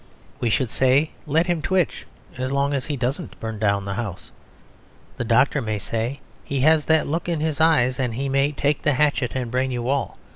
We should say, "Let him twitch, as long as he doesn't burn down the house." The doctor may say, "He has that look in the eyes, and he may take the hatchet and brain you all."